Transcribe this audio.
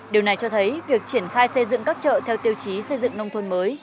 điều này cho thấy việc triển khai xây dựng các chợ theo tiêu chí xây dựng nông thôn mới